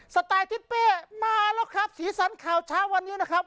สไตล์ทิศเป้มาแล้วครับสีสันข่าวเช้าวันนี้นะครับ